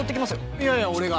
いやいや俺が。